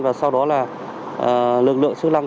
và sau đó là lực lượng sức lăng